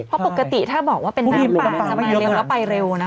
เพราะปกติถ้าบอกว่าเป็นน้ำป่าจะมาเร็วแล้วไปเร็วนะ